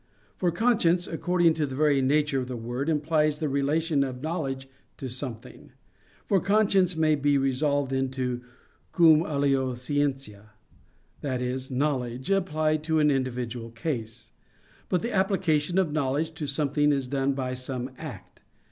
For conscience, according to the very nature of the word, implies the relation of knowledge to something: for conscience may be resolved into "cum alio scientia," i.e. knowledge applied to an individual case. But the application of knowledge to something is done by some act.